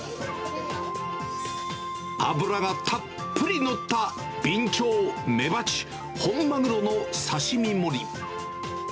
脂がたっぷり乗ったビンチョウ、メバチ、ホンマグロの刺身盛り。